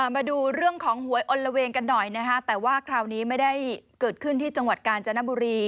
มาดูเรื่องของหวยอลละเวงกันหน่อยนะคะแต่ว่าคราวนี้ไม่ได้เกิดขึ้นที่จังหวัดกาญจนบุรี